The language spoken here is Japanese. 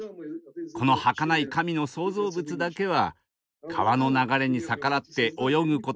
このはかない神の創造物だけは川の流れに逆らって泳ぐことができます。